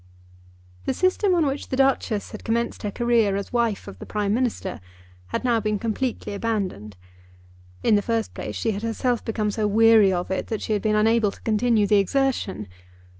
The system on which the Duchess had commenced her career as wife of the Prime Minister had now been completely abandoned. In the first place, she had herself become so weary of it that she had been unable to continue the exertion.